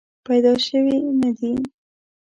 پیدا شوې نه دي.